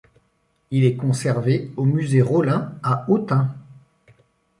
Il est conservé au Musée Rolin à Autun.